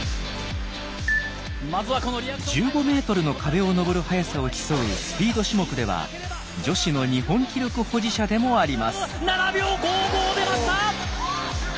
１５ｍの壁を登る速さを競うスピード種目では女子の日本記録保持者でもあります。